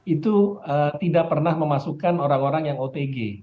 itu tidak pernah memasukkan orang orang yang otg